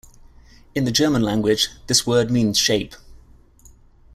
In the German language, this word means "shape".